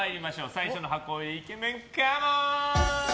最初の箱入りイケメン、カモン！